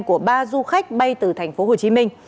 của ba du khách bay từ tp hcm